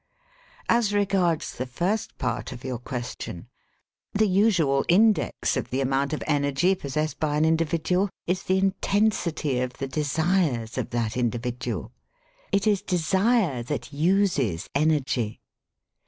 "As regards the first part of your question, the usual index of the amount of energy pos A DANGEROUS LECTURE 69 sessed by an individual is the intensity of the de sires of that individual. It is desire that uses energy.